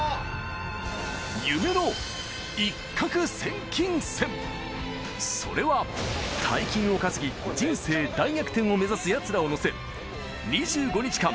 夢のそれは大金を稼ぎ人生大逆転を目指すヤツらを乗せ２５日間